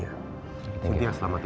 terima kasih ya selamat ya